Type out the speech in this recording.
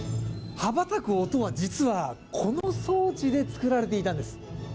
羽ばたく音は実は、この装置で作られていたんです。